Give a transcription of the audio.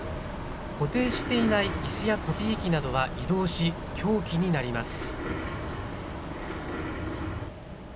固定していないいすやコピー機などは移動し凶器になります。